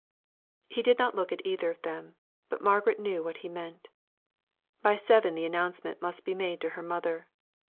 He did not look at either of them, but Margaret knew what he meant. By seven the announcement must be made to her mother.